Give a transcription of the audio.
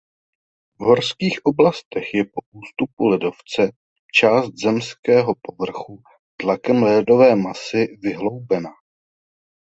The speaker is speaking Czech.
V horských oblastech je po ústupu ledovce část zemského povrchu tlakem ledové masy vyhloubena.